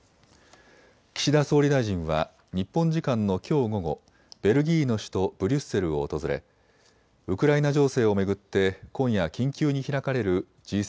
岸田総理大臣は日本時間のきょう午後、ベルギーの首都ブリュッセルを訪れウクライナ情勢を巡って今夜緊急に開かれるＧ７・